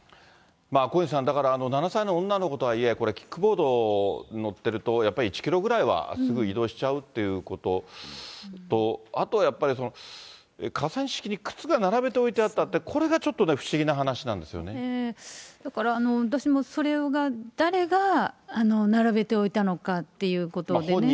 小西さん、だから７歳の女の子、これ、キックボード乗ってると、やっぱり１キロぐらいはすぐ移動しちゃうということと、あとやっぱり、河川敷に靴が並べて置いてあったって、これがちょっとね、不思議だから、私もそれが、誰が並べておいたのかっていうことでね。